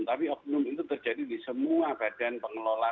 tapi oknum itu terjadi di semua badan pengelola